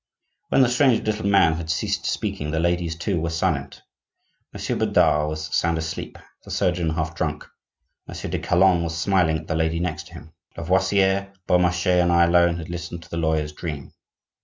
When the strange little man had ceased speaking the ladies too were silent; Monsieur Bodard was sound asleep; the surgeon, half drunk; Monsieur de Calonne was smiling at the lady next him. Lavoisier, Beaumarchais, and I alone had listened to the lawyer's dream.